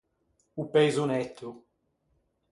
O peiso netto.